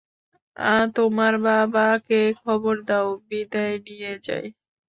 তোমার বাবাকে খবর দাও, বিদেয় নিয়ে যাই।